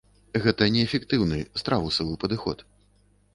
Гэта неэфектыўны, страусавы падыход.